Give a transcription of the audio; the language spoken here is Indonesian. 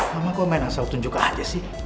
mama kok main asal tunjuk aja sih